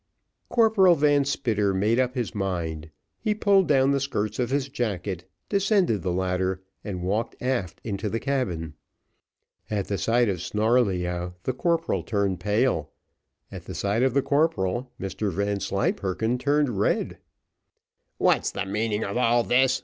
Corporal Van Spitter made up his mind; he pulled down the skirts of his jacket, descended the ladder, and walked aft into the cabin. At the sight of Snarleyyow the corporal turned pale at the sight of the corporal, Mr Vanslyperken turned red. "What's the meaning of all this?"